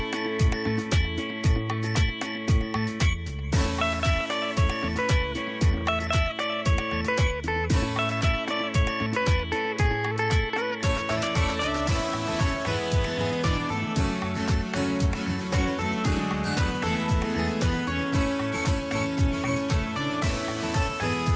สวัสดีครับสวัสดีครับสวัสดีครับ